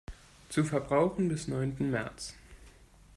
Zu Verbrauchen bis neunten März.